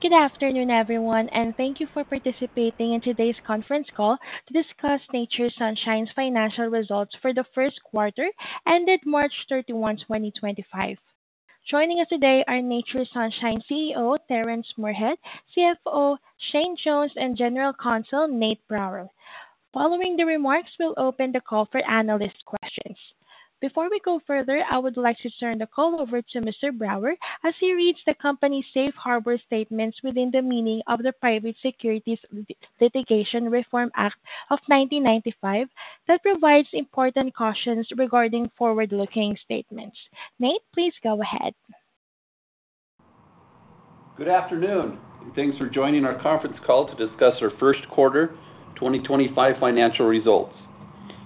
Good afternoon, everyone, and thank you for participating in today's conference call to discuss Nature's Sunshine's financial results for the first quarter ended March 31, 2025. Joining us today are Nature's Sunshine CEO Terrence Moorehead, CFO Shane Jones, and General Counsel Nate Brower. Following the remarks, we'll open the call for analyst questions. Before we go further, I would like to turn the call over to Mr. Brower as he reads the company's safe harbor statements within the meaning of the Private Securities Litigation Reform Act of 1995 that provides important cautions regarding forward-looking statements. Nate, please go ahead. Good afternoon, and thanks for joining our conference call to discuss our first quarter 2025 financial results.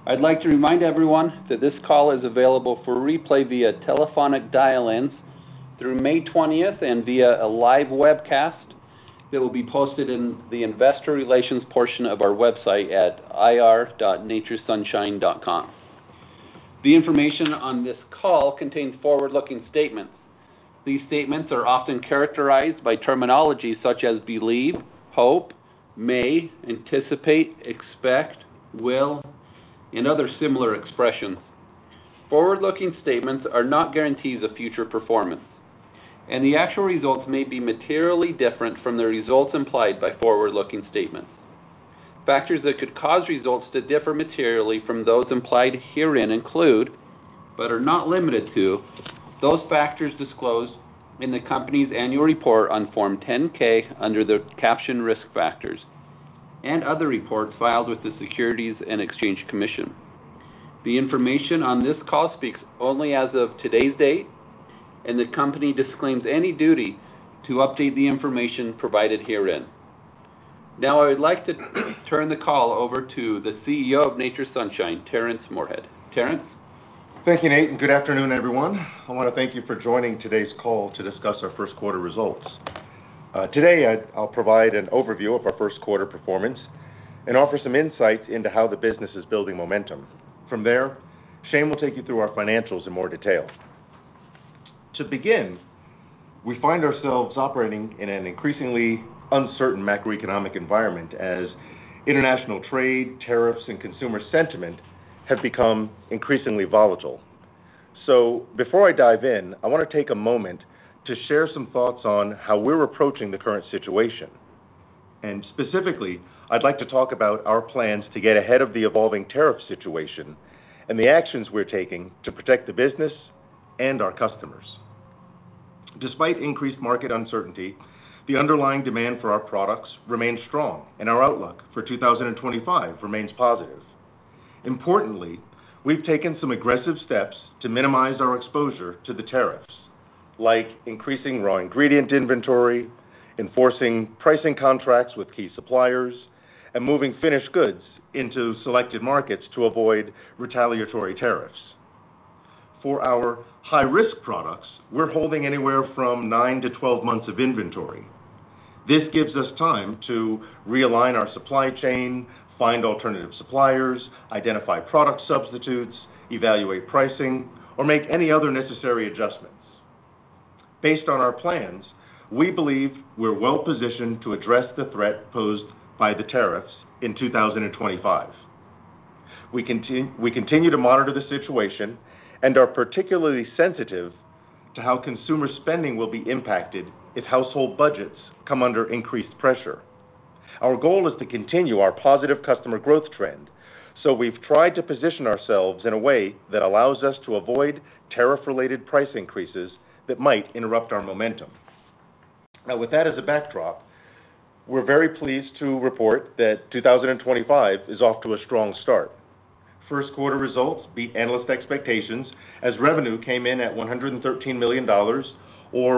I'd like to remind everyone that this call is available for replay via telephonic dial-ins through May 20 and via a live webcast that will be posted in the investor relations portion of our website at ir.naturesunshine.com. The information on this call contains forward-looking statements. These statements are often characterized by terminology such as believe, hope, may, anticipate, expect, will, and other similar expressions. Forward-looking statements are not guarantees of future performance, and the actual results may be materially different from the results implied by forward-looking statements. Factors that could cause results to differ materially from those implied herein include, but are not limited to, those factors disclosed in the company's annual report on Form 10-K under the captioned risk factors and other reports filed with the Securities and Exchange Commission. The information on this call speaks only as of today's date, and the company disclaims any duty to update the information provided herein. Now, I would like to turn the call over to the CEO of Nature's Sunshine, Terrence Moorehead. Terrence. Thank you, Nate, and good afternoon, everyone. I want to thank you for joining today's call to discuss our first quarter results. Today, I'll provide an overview of our first quarter performance and offer some insights into how the business is building momentum. From there, Shane will take you through our financials in more detail. To begin, we find ourselves operating in an increasingly uncertain macroeconomic environment as international trade, tariffs, and consumer sentiment have become increasingly volatile. Before I dive in, I want to take a moment to share some thoughts on how we're approaching the current situation. Specifically, I'd like to talk about our plans to get ahead of the evolving tariff situation and the actions we're taking to protect the business and our customers. Despite increased market uncertainty, the underlying demand for our products remains strong, and our outlook for 2025 remains positive. Importantly, we've taken some aggressive steps to minimize our exposure to the tariffs, like increasing raw ingredient inventory, enforcing pricing contracts with key suppliers, and moving finished goods into selected markets to avoid retaliatory tariffs. For our high-risk products, we're holding anywhere from 9months-12 months of inventory. This gives us time to realign our supply chain, find alternative suppliers, identify product substitutes, evaluate pricing, or make any other necessary adjustments. Based on our plans, we believe we're well-positioned to address the threat posed by the tariffs in 2025. We continue to monitor the situation and are particularly sensitive to how consumer spending will be impacted if household budgets come under increased pressure. Our goal is to continue our positive customer growth trend, so we've tried to position ourselves in a way that allows us to avoid tariff-related price increases that might interrupt our momentum. Now, with that as a backdrop, we're very pleased to report that 2025 is off to a strong start. First quarter results beat analyst expectations as revenue came in at $113 million, or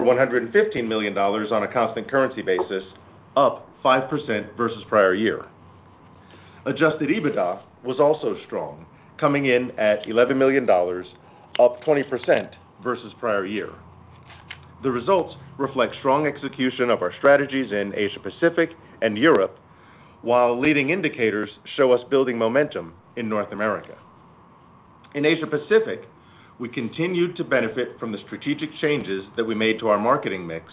$115 million on a constant currency basis, up 5% versus prior year. Adjusted EBITDA was also strong, coming in at $11 million, up 20% versus prior year. The results reflect strong execution of our strategies in Asia-Pacific and Europe, while leading indicators show us building momentum in North America. In Asia-Pacific, we continued to benefit from the strategic changes that we made to our marketing mix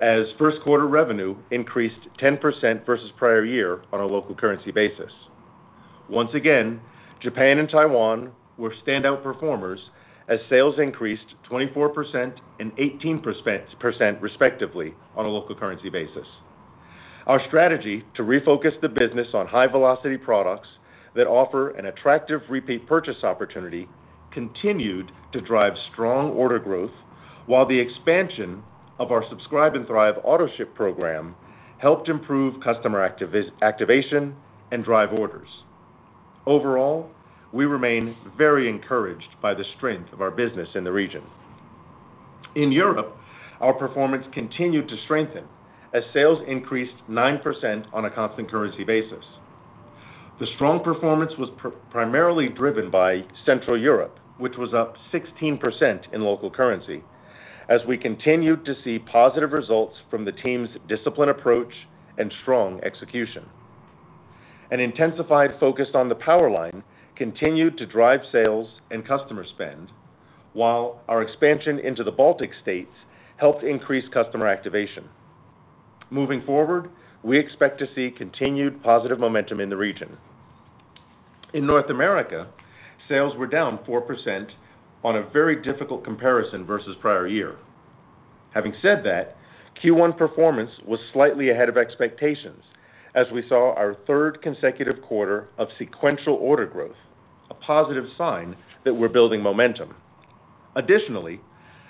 as first quarter revenue increased 10% versus prior year on a local currency basis. Once again, Japan and Taiwan were standout performers as sales increased 24% and 18% respectively on a local currency basis. Our strategy to refocus the business on high-velocity products that offer an attractive repeat purchase opportunity continued to drive strong order growth, while the expansion of our Subscribe & Thrive auto ship program helped improve customer activation and drive orders. Overall, we remain very encouraged by the strength of our business in the region. In Europe, our performance continued to strengthen as sales increased 9% on a constant currency basis. The strong performance was primarily driven by Central Europe, which was up 16% in local currency, as we continued to see positive results from the team's disciplined approach and strong execution. An intensified focus on the Powerline continued to drive sales and customer spend, while our expansion into the Baltic states helped increase customer activation. Moving forward, we expect to see continued positive momentum in the region. In North America, sales were down 4% on a very difficult comparison versus prior year. Having said that, Q1 performance was slightly ahead of expectations as we saw our third consecutive quarter of sequential order growth, a positive sign that we're building momentum. Additionally,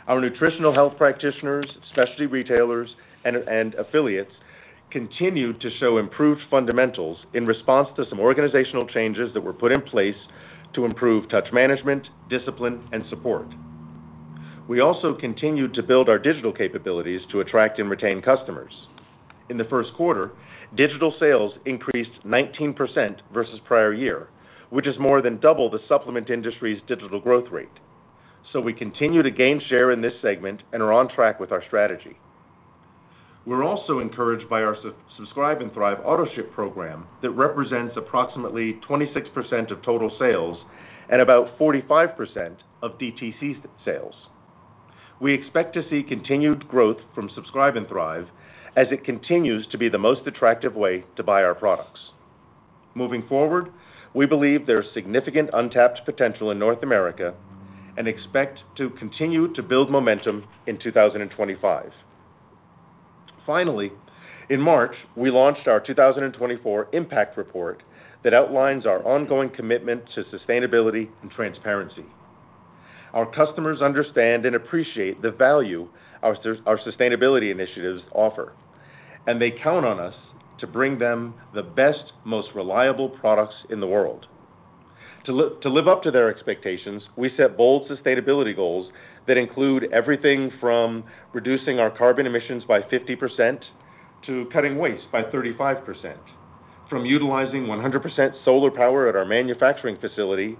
our nutritional health practitioners, specialty retailers, and affiliates continued to show improved fundamentals in response to some organizational changes that were put in place to improve touch management, discipline, and support. We also continued to build our digital capabilities to attract and retain customers. In the first quarter, digital sales increased 19% versus prior year, which is more than double the supplement industry's digital growth rate. We continue to gain share in this segment and are on track with our strategy. We're also encouraged by our Subscribe & Thrive auto ship program that represents approximately 26% of total sales and about 45% of DTC sales. We expect to see continued growth from Subscribe & Thrive as it continues to be the most attractive way to buy our products. Moving forward, we believe there is significant untapped potential in North America and expect to continue to build momentum in 2025. Finally, in March, we launched our 2024 impact report that outlines our ongoing commitment to sustainability and transparency. Our customers understand and appreciate the value our sustainability initiatives offer, and they count on us to bring them the best, most reliable products in the world. To live up to their expectations, we set bold sustainability goals that include everything from reducing our carbon emissions by 50% to cutting waste by 35%, from utilizing 100% solar power at our manufacturing facility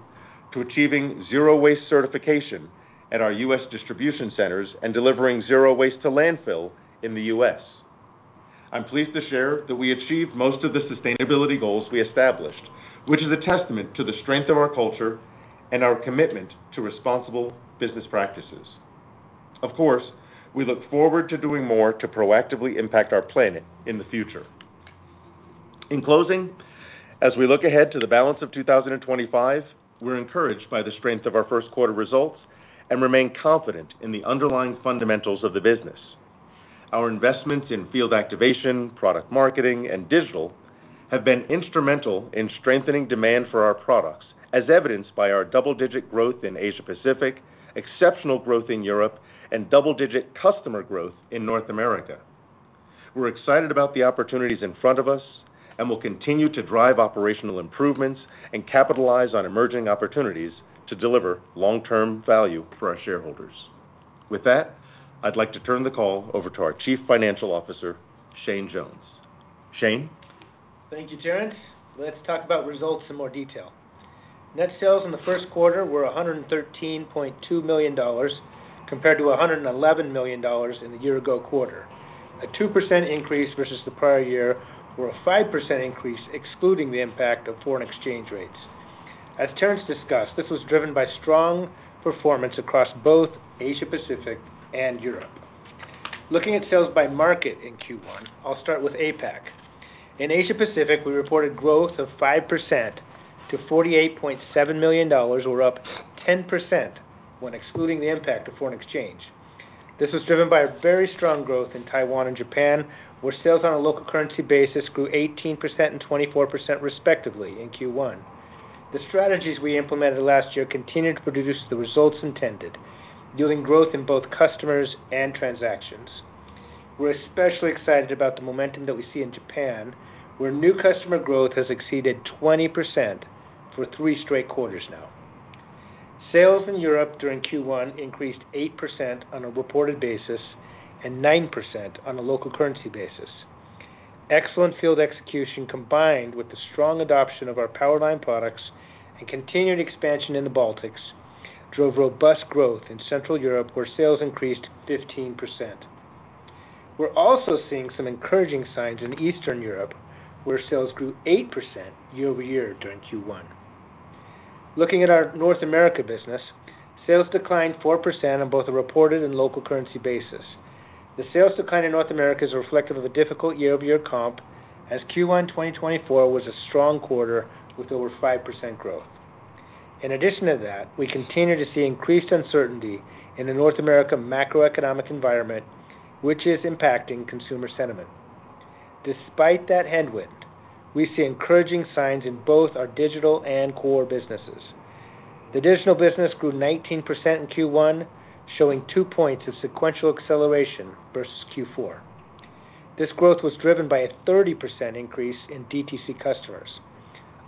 to achieving zero-waste certification at our U.S. distribution centers and delivering zero-waste to landfill in the U.S. I'm pleased to share that we achieved most of the sustainability goals we established, which is a testament to the strength of our culture and our commitment to responsible business practices. Of course, we look forward to doing more to proactively impact our planet in the future. In closing, as we look ahead to the balance of 2025, we're encouraged by the strength of our first quarter results and remain confident in the underlying fundamentals of the business. Our investments in field activation, product marketing, and digital have been instrumental in strengthening demand for our products, as evidenced by our double-digit growth in Asia-Pacific, exceptional growth in Europe, and double-digit customer growth in North America. We're excited about the opportunities in front of us and will continue to drive operational improvements and capitalize on emerging opportunities to deliver long-term value for our shareholders. With that, I'd like to turn the call over to our Chief Financial Officer, Shane Jones. Shane. Thank you, Terrence. Let's talk about results in more detail. Net sales in the first quarter were $113.2 million compared to $111 million in the year-ago quarter, a 2% increase versus the prior year, or a 5% increase excluding the impact of foreign exchange rates. As Terrence discussed, this was driven by strong performance across both Asia-Pacific and Europe. Looking at sales by market in Q1, I'll start with APAC. In Asia-Pacific, we reported growth of 5% to $48.7 million, or up 10% when excluding the impact of foreign exchange. This was driven by very strong growth in Taiwan and Japan, where sales on a local currency basis grew 18% and 24% respectively in Q1. The strategies we implemented last year continued to produce the results intended, yielding growth in both customers and transactions. We're especially excited about the momentum that we see in Japan, where new customer growth has exceeded 20% for three straight quarters now. Sales in Europe during Q1 increased 8% on a reported basis and 9% on a local currency basis. Excellent field execution combined with the strong adoption of our Powerline products and continued expansion in the Baltic states drove robust growth in Central Europe, where sales increased 15%. We're also seeing some encouraging signs in Eastern Europe, where sales grew 8% year-over-year during Q1. Looking at our North America business, sales declined 4% on both a reported and local currency basis. The sales decline in North America is reflective of a difficult year-over-year comp as Q1 2024 was a strong quarter with over 5% growth. In addition to that, we continue to see increased uncertainty in the North America macroeconomic environment, which is impacting consumer sentiment. Despite that headwind, we see encouraging signs in both our digital and core businesses. The digital business grew 19% in Q1, showing two points of sequential acceleration versus Q4. This growth was driven by a 30% increase in DTC customers,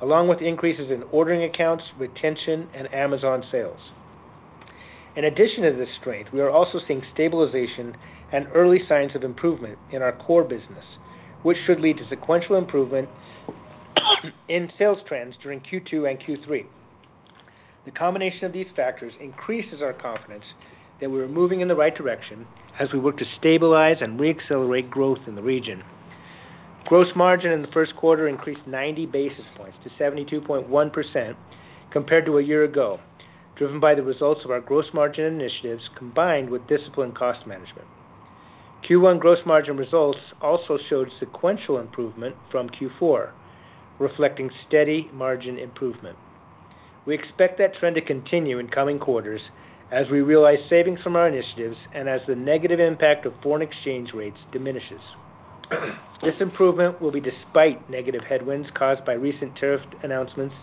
along with increases in ordering accounts, retention, and Amazon sales. In addition to this strength, we are also seeing stabilization and early signs of improvement in our core business, which should lead to sequential improvement in sales trends during Q2 and Q3. The combination of these factors increases our confidence that we are moving in the right direction as we work to stabilize and re-accelerate growth in the region. Gross margin in the first quarter increased 90 basis points to 72.1% compared to a year ago, driven by the results of our gross margin initiatives combined with disciplined cost management. Q1 gross margin results also showed sequential improvement from Q4, reflecting steady margin improvement. We expect that trend to continue in coming quarters as we realize savings from our initiatives and as the negative impact of foreign exchange rates diminishes. This improvement will be despite negative headwinds caused by recent tariff announcements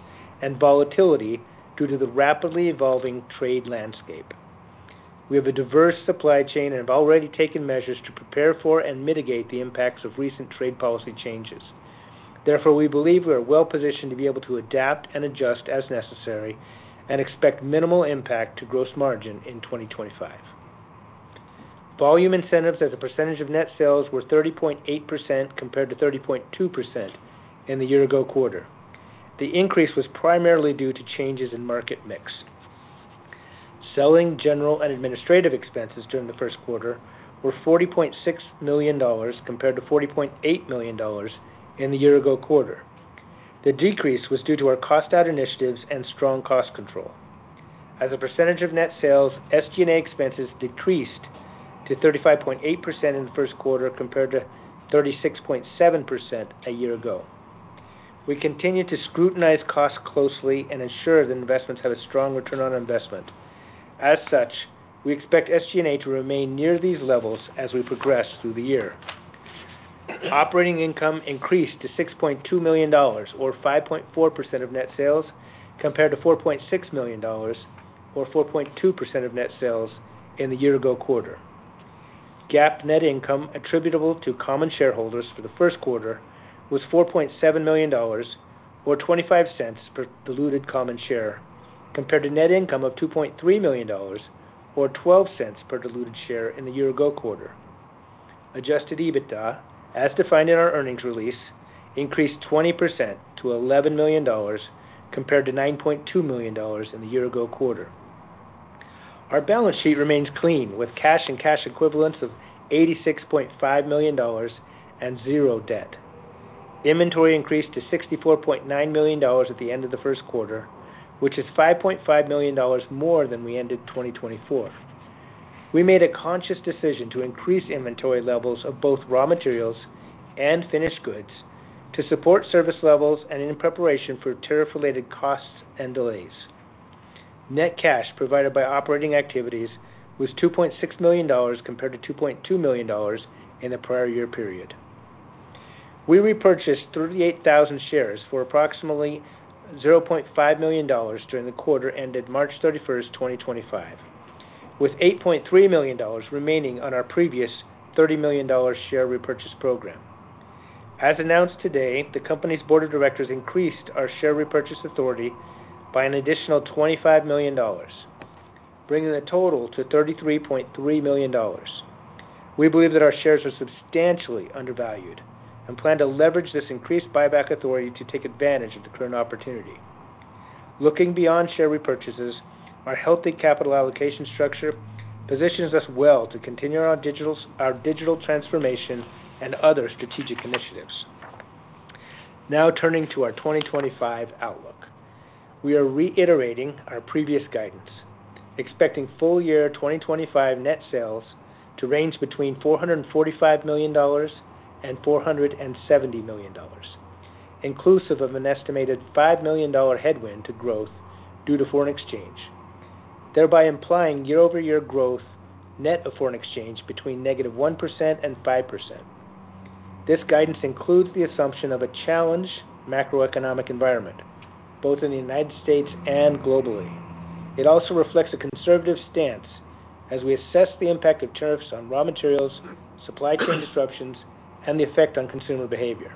and volatility due to the rapidly evolving trade landscape. We have a diverse supply chain and have already taken measures to prepare for and mitigate the impacts of recent trade policy changes. Therefore, we believe we are well-positioned to be able to adapt and adjust as necessary and expect minimal impact to gross margin in 2025. Volume incentives as a percentage of net sales were 30.8% compared to 30.2% in the year-ago quarter. The increase was primarily due to changes in market mix. Selling, general and administrative expenses during the first quarter were $40.6 million compared to $40.8 million in the year-ago quarter. The decrease was due to our cost-out initiatives and strong cost control. As a percentage of net sales, SG&A expenses decreased to 35.8% in the first quarter compared to 36.7% a year ago. We continue to scrutinize costs closely and ensure that investments have a strong return on investment. As such, we expect SG&A to remain near these levels as we progress through the year. Operating income increased to $6.2 million, or 5.4% of net sales, compared to $4.6 million, or 4.2% of net sales in the year-ago quarter. GAAP net income attributable to common shareholders for the first quarter was $4.7 million, or $0.25 per diluted common share, compared to net income of $2.3 million, or $0.12 per diluted share in the year-ago quarter. Adjusted EBITDA, as defined in our earnings release, increased 20% to $11 million compared to $9.2 million in the year-ago quarter. Our balance sheet remains clean with cash and cash equivalents of $86.5 million and zero debt. Inventory increased to $64.9 million at the end of the first quarter, which is $5.5 million more than we ended 2024. We made a conscious decision to increase inventory levels of both raw materials and finished goods to support service levels and in preparation for tariff-related costs and delays. Net cash provided by operating activities was $2.6 million compared to $2.2 million in the prior year period. We repurchased 38,000 shares for approximately $0.5 million during the quarter ended March 31st, 2025, with $8.3 million remaining on our previous $30 million share repurchase program. As announced today, the company's board of directors increased our share repurchase authority by an additional $25 million, bringing the total to $33.3 million. We believe that our shares are substantially undervalued and plan to leverage this increased buyback authority to take advantage of the current opportunity. Looking beyond share repurchases, our healthy capital allocation structure positions us well to continue our digital transformation and other strategic initiatives. Now turning to our 2025 outlook, we are reiterating our previous guidance, expecting full year 2025 net sales to range between $445 million and $470 million, inclusive of an estimated $5 million headwind to growth due to foreign exchange, thereby implying year-over-year growth net of foreign exchange between -1% and 5%. This guidance includes the assumption of a challenged macroeconomic environment, both in the United States and globally. It also reflects a conservative stance as we assess the impact of tariffs on raw materials, supply chain disruptions, and the effect on consumer behavior.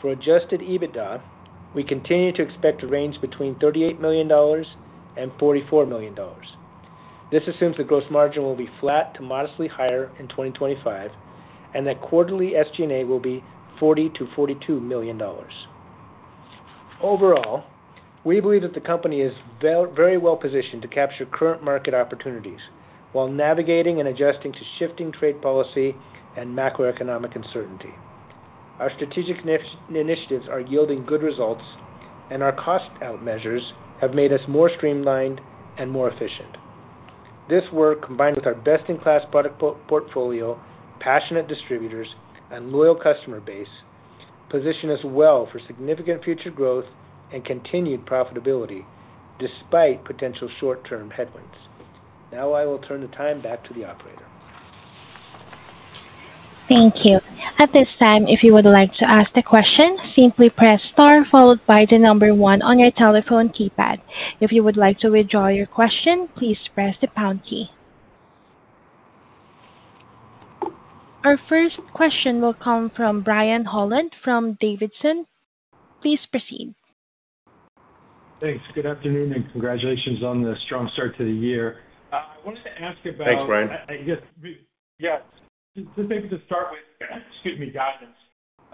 For adjusted EBITDA, we continue to expect to range between $38 million and $44 million. This assumes the gross margin will be flat to modestly higher in 2025 and that quarterly SG&A will be $40 million-$42 million. Overall, we believe that the company is very well-positioned to capture current market opportunities while navigating and adjusting to shifting trade policy and macroeconomic uncertainty. Our strategic initiatives are yielding good results, and our cost-out measures have made us more streamlined and more efficient. This work, combined with our best-in-class product portfolio, passionate distributors, and loyal customer base, positions us well for significant future growth and continued profitability despite potential short-term headwinds. Now I will turn the time back to the operator. Thank you. At this time, if you would like to ask a question, simply press star followed by the number one on your telephone keypad. If you would like to withdraw your question, please press the pound key. Our first question will come from Brian Holland from D.A. Davidson. Please proceed. Thanks. Good afternoon and congratulations on the strong start to the year. I wanted to ask about. Thanks, Brian. Yeah. Just maybe to start with, excuse me, guidance.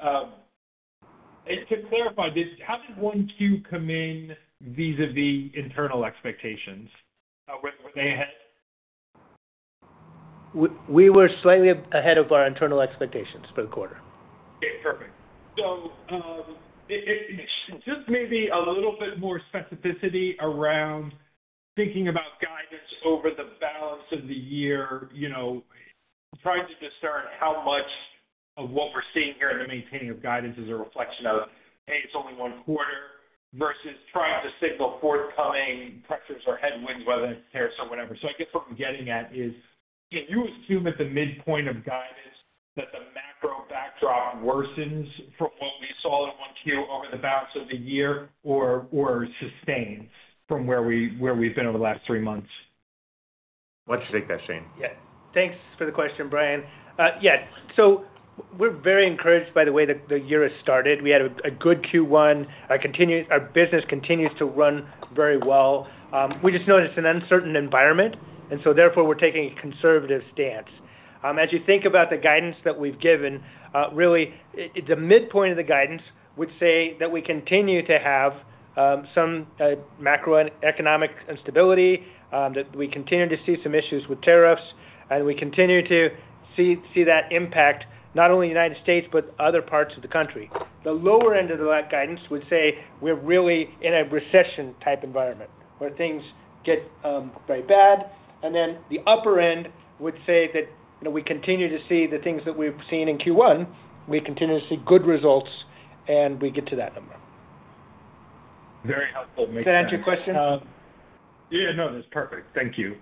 To clarify, how did one Q come in vis-à-vis internal expectations? Were they ahead? We were slightly ahead of our internal expectations for the quarter. Okay. Perfect. Just maybe a little bit more specificity around thinking about guidance over the balance of the year, trying to discern how much of what we're seeing here in the maintaining of guidance is a reflection of, "Hey, it's only one quarter," versus trying to signal forthcoming pressures or headwinds, whether it's tariffs or whatever. I guess what I'm getting at is, can you assume at the midpoint of guidance that the macro backdrop worsens from what we saw in one Q over the balance of the year or sustains from where we've been over the last three months? Why don't you take that, Shane? Yeah. Thanks for the question, Brian. Yeah. So we're very encouraged by the way the year has started. We had a good Q1. Our business continues to run very well. We just noticed an uncertain environment, and therefore we're taking a conservative stance. As you think about the guidance that we've given, really, the midpoint of the guidance would say that we continue to have some macroeconomic instability, that we continue to see some issues with tariffs, and we continue to see that impact not only in the United States but other parts of the country. The lower end of the guidance would say we're really in a recession-type environment where things get very bad. The upper end would say that we continue to see the things that we've seen in Q1, we continue to see good results, and we get to that number. Very helpful. Did that answer your question? Yeah. No, that's perfect. Thank you.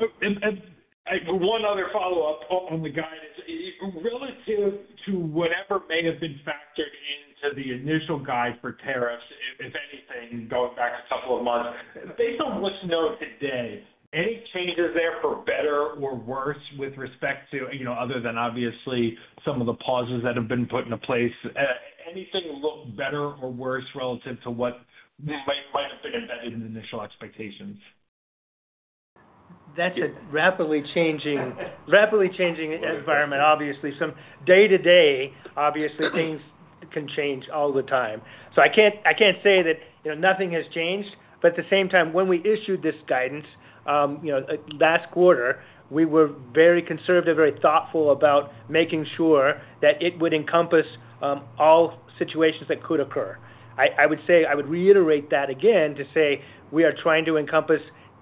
One other follow-up on the guidance. Relative to whatever may have been factored into the initial guide for tariffs, if anything, going back a couple of months, based on what's known today, any changes there for better or worse with respect to, other than obviously some of the pauses that have been put into place, anything look better or worse relative to what might have been embedded in the initial expectations? That's a rapidly changing environment, obviously. From day to day, obviously, things can change all the time. I can't say that nothing has changed. At the same time, when we issued this guidance last quarter, we were very conservative, very thoughtful about making sure that it would encompass all situations that could occur. I would reiterate that again to say we are trying to encompass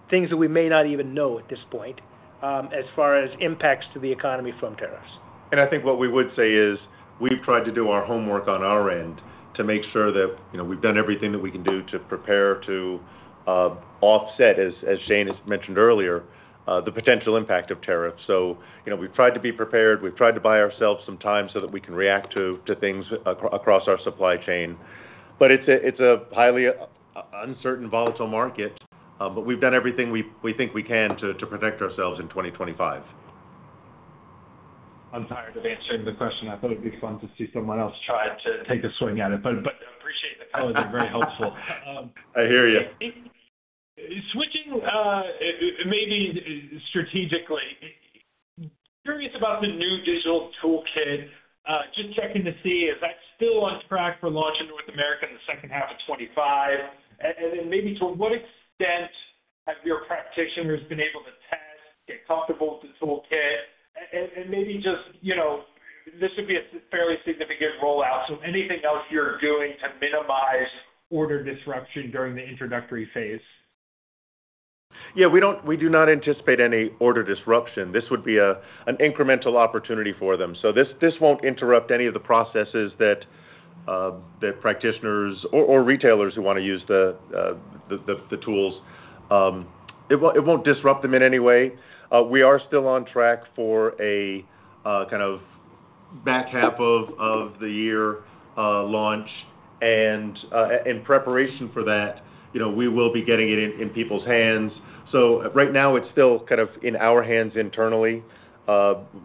things that we may not even know at this point as far as impacts to the economy from tariffs. I think what we would say is we've tried to do our homework on our end to make sure that we've done everything that we can do to prepare to offset, as Shane has mentioned earlier, the potential impact of tariffs. We've tried to be prepared. We've tried to buy ourselves some time so that we can react to things across our supply chain. It is a highly uncertain, volatile market. We've done everything we think we can to protect ourselves in 2025. I'm tired of answering the question. I thought it would be fun to see someone else try to take a swing at it, but I appreciate the customer. Oh, they're very helpful. I hear you. Switching maybe strategically, curious about the new digital toolkit, just checking to see, is that still on track for launch in North America in the second half of 2025? To what extent have your practitioners been able to test, get comfortable with the toolkit? This would be a fairly significant rollout. Anything else you're doing to minimize order disruption during the introductory phase? Yeah. We do not anticipate any order disruption. This would be an incremental opportunity for them. This will not interrupt any of the processes that practitioners or retailers who want to use the tools. It will not disrupt them in any way. We are still on track for a kind of back half of the year launch. In preparation for that, we will be getting it in people's hands. Right now, it is still kind of in our hands internally.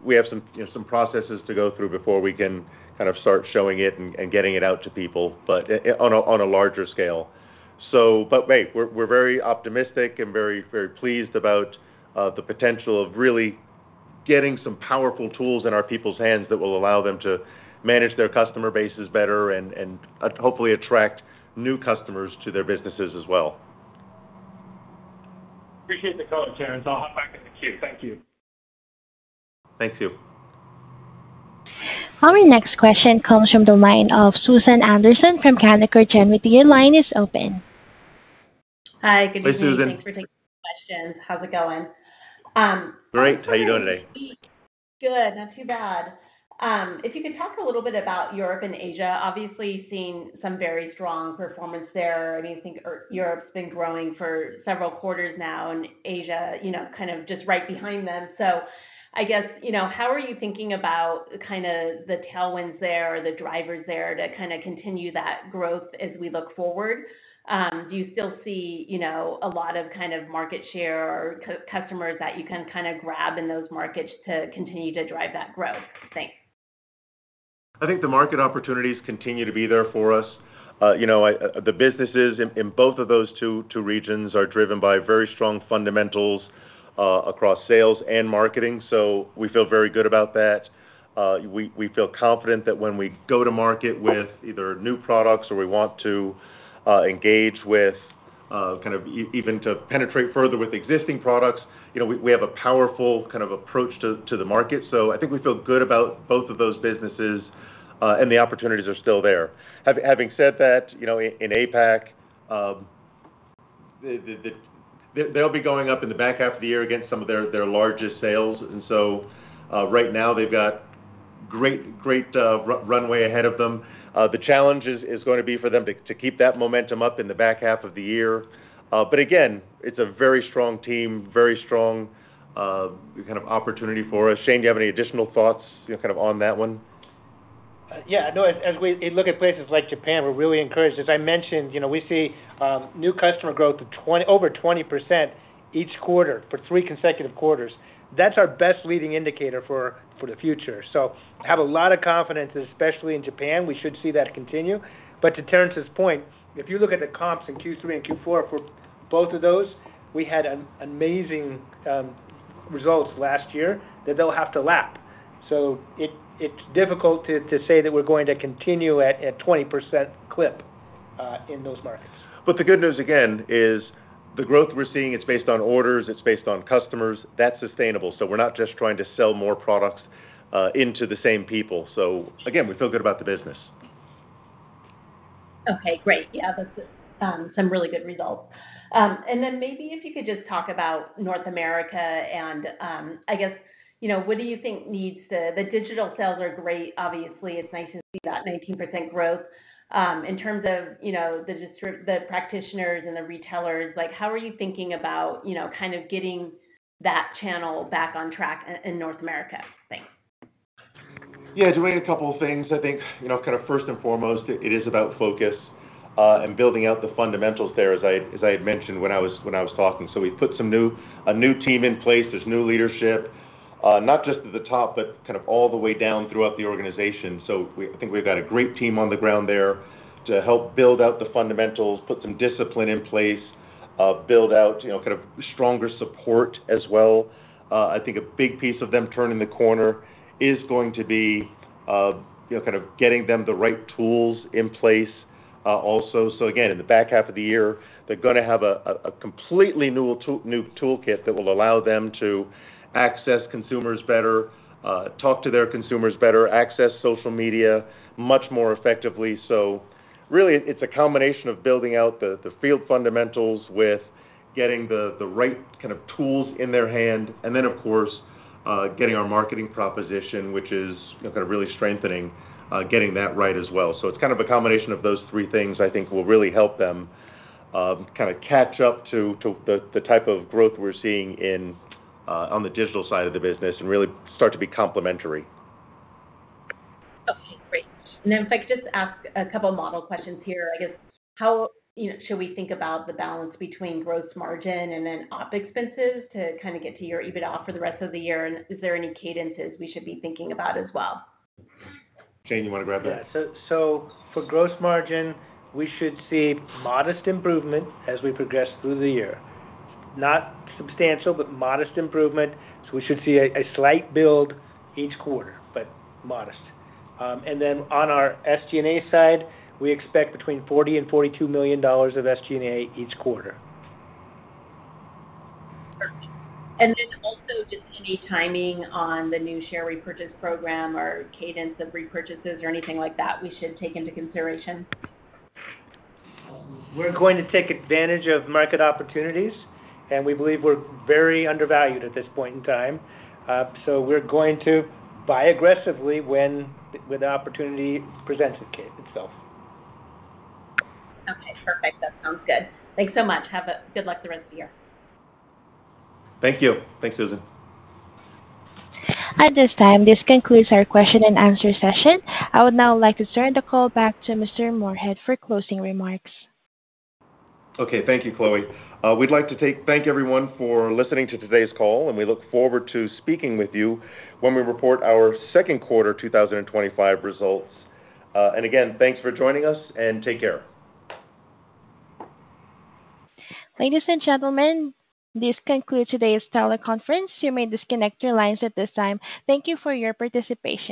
We have some processes to go through before we can kind of start showing it and getting it out to people on a larger scale. We are very optimistic and very pleased about the potential of really getting some powerful tools in our people's hands that will allow them to manage their customer bases better and hopefully attract new customers to their businesses as well. Appreciate the call, Terrence. I'll hop back into Q. Thank you. Thank you. Our next question comes from the line of Susan Anderson from Canaccord Genuity. Your line is open. Hi. Good evening. Hi, Susan. Thanks for taking the questions. How's it going? Great. How are you doing today? Good. Not too bad. If you could talk a little bit about Europe and Asia, obviously seeing some very strong performance there. I mean, I think Europe has been growing for several quarters now, and Asia kind of just right behind them. I guess, how are you thinking about kind of the tailwinds there or the drivers there to kind of continue that growth as we look forward? Do you still see a lot of kind of market share or customers that you can kind of grab in those markets to continue to drive that growth? Thanks. I think the market opportunities continue to be there for us. The businesses in both of those two regions are driven by very strong fundamentals across sales and marketing. We feel very good about that. We feel confident that when we go to market with either new products or we want to engage with kind of even to penetrate further with existing products, we have a powerful kind of approach to the market. I think we feel good about both of those businesses, and the opportunities are still there. Having said that, in APAC, they'll be going up in the back half of the year against some of their largest sales. Right now, they've got great runway ahead of them. The challenge is going to be for them to keep that momentum up in the back half of the year. Again, it's a very strong team, very strong kind of opportunity for us. Shane, do you have any additional thoughts kind of on that one? Yeah. No, as we look at places like Japan, we're really encouraged. As I mentioned, we see new customer growth of over 20% each quarter for three consecutive quarters. That's our best leading indicator for the future. So have a lot of confidence, especially in Japan. We should see that continue. To Terrence's point, if you look at the comps in Q3 and Q4 for both of those, we had amazing results last year that they'll have to lap. It's difficult to say that we're going to continue at a 20% clip in those markets. The good news, again, is the growth we're seeing, it's based on orders. It's based on customers. That's sustainable. We're not just trying to sell more products into the same people. Again, we feel good about the business. Okay. Great. Yeah. That's some really good results. Maybe if you could just talk about North America. I guess, what do you think needs to—the digital sales are great, obviously. It's nice to see that 19% growth. In terms of the practitioners and the retailers, how are you thinking about kind of getting that channel back on track in North America? Thanks. Yeah. Doing a couple of things. I think kind of first and foremost, it is about focus and building out the fundamentals there, as I had mentioned when I was talking. We put a new team in place. There is new leadership, not just at the top, but kind of all the way down throughout the organization. I think we have got a great team on the ground there to help build out the fundamentals, put some discipline in place, build out kind of stronger support as well. I think a big piece of them turning the corner is going to be kind of getting them the right tools in place also. Again, in the back half of the year, they are going to have a completely new toolkit that will allow them to access consumers better, talk to their consumers better, access social media much more effectively. It's really a combination of building out the field fundamentals with getting the right kind of tools in their hand. Then, of course, getting our marketing proposition, which is kind of really strengthening, getting that right as well. It's kind of a combination of those three things, I think, will really help them kind of catch up to the type of growth we're seeing on the digital side of the business and really start to be complementary. Okay. Great. If I could just ask a couple of model questions here. I guess, how should we think about the balance between gross margin and then op expenses to kind of get to your EBITDA for the rest of the year? Is there any cadences we should be thinking about as well? Shane, you want to grab that? Yeah. For gross margin, we should see modest improvement as we progress through the year. Not substantial, but modest improvement. We should see a slight build each quarter, but modest. On our SG&A side, we expect between $40 million and $42 million of SG&A each quarter. Is there any timing on the new share repurchase program or cadence of repurchases or anything like that we should take into consideration? We're going to take advantage of market opportunities. We believe we're very undervalued at this point in time. We're going to buy aggressively when the opportunity presents itself. Okay. Perfect. That sounds good. Thanks so much. Have a good luck the rest of the year. Thank you. Thanks, Susan. At this time, this concludes our question and answer session. I would now like to turn the call back to Mr. Moorehead for closing remarks. Okay. Thank you, Chloe. We'd like to thank everyone for listening to today's call, and we look forward to speaking with you when we report our second quarter 2025 results. Again, thanks for joining us, and take care. Ladies and gentlemen, this concludes today's Tower Conference. You may disconnect your lines at this time. Thank you for your participation.